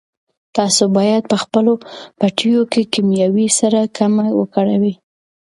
تاسو باید په خپلو پټیو کې کیمیاوي سره کمه وکاروئ.